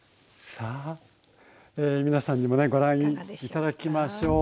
さあ皆さんにもねご覧頂きましょう。